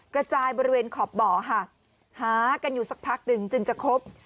กระจายบริเวณขอบบ่อค่ะหากันอยู่สักพักหนึ่งจึงจะครบ